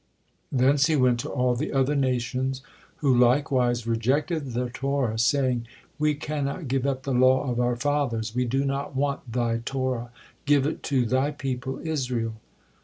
Thence He went to all the other nations, who likewise rejected the Torah, saying: "We cannot give up the law of our fathers, we do not want Thy Torah, give it to Thy people Israel."